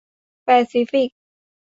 แปซิฟิก